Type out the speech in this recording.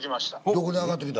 どこに上がってきた？